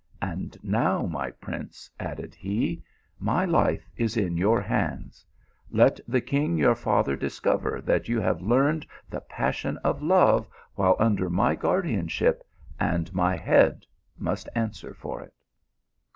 " And now, my prince," added he, " my life is in your hands. Let the king your father discover that you have learned the pas sion of love while under my guardianship, and my head must answer for it."